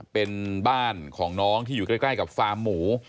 เป็นบ้านของน้องที่อยู่ใกล้กับฟาร์มหมู